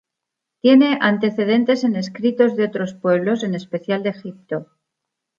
Tiene antecedentes en escritos de otros pueblos, en especial de Egipto.